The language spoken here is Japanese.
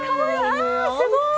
あっすごい！